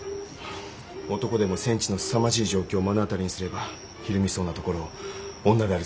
男でも戦地のすさまじい状況を目の当たりにすればひるみそうなところを女である先生が。